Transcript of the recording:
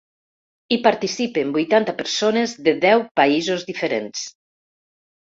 Hi participen vuitanta persones de deu països diferents.